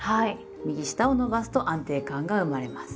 右下を伸ばすと安定感が生まれます。